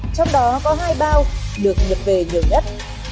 trong đó có hai bao được nhập về nhiều nhất